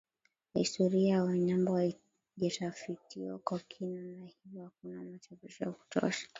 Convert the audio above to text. Historia ya Wanyambo haijatafitiwa kwa kina na hivyo hakuna machapisho ya kutosha